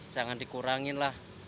jangan dikurangin lah